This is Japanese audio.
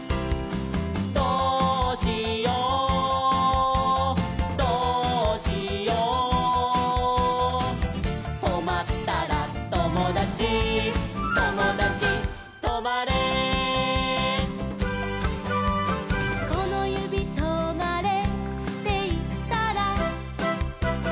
「どうしようどうしよう」「とまったらともだちともだちとまれ」「このゆびとまれっていったら」